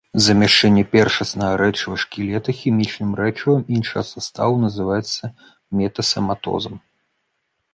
Замяшчэнне першаснага рэчыва шкілета хімічным рэчывам іншага саставу называецца метасаматозам.